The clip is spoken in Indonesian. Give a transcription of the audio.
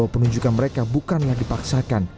kekuasaan negara indonesia